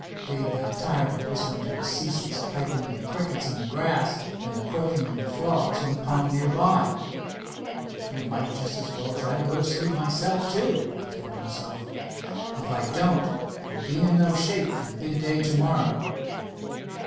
Dave got tired of listening to the ceaseless piping of the crickets in the grass and the croaking of the frogs in a pond near by. "I might just as well try to go to sleep myself, too," he told himself. "If I don't, I'll be in no shape for the big day to morrow."